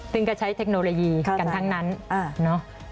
ซึ่งก็ใช้เทคโนโลยีกันทั้งนั้นเนอะ